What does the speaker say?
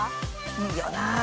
◆いいよな。